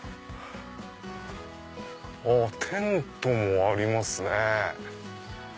テントもありますね。